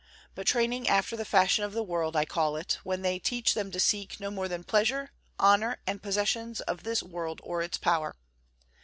But training after the fashion of the world I call it, when they teach them to seek no more than pleasure, honor and possessions of this world or its power.